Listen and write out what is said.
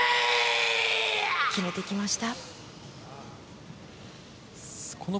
決めてきました。